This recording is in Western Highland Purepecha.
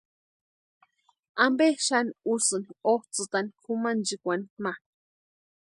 ¿Ampe xani úsïni otsʼïtani kʼumanchikwani ma?